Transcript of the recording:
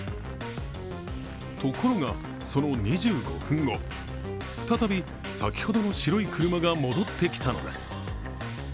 ところが、その２５分後、再び、先ほどの白い車が戻ってきたのです。